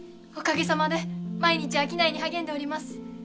おかげさまで毎日商いに励んでおります。